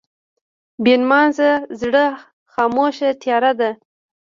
بېنمازه زړه خاموشه تیاره ده.